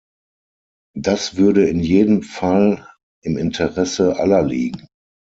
Das würde in jedem Fall im Interesse aller liegen.